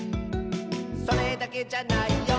「それだけじゃないよ」